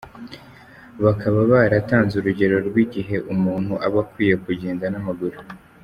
Bakaba baratanze urugero rw’igihe umuntu aba akwiye kugenda n’amaguru :.